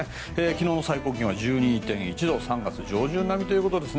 昨日の最高気温は１２．１度３月上旬並みということです。